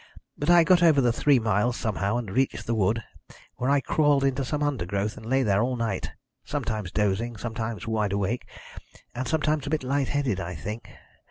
But I got over the three miles somehow, and reached the wood, where I crawled into some undergrowth, and lay there all night, sometimes dozing, sometimes wide awake, and sometimes a bit light headed, I think.